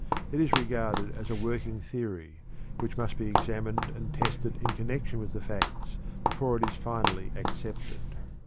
It is regarded as a "working theory," which must be examined and tested in connection with the facts before it is finally accepted.